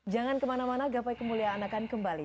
jangan kemana mana gapai kemuliaan akan kembali